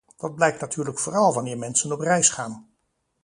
Dat blijkt natuurlijk vooral wanneer mensen op reis gaan.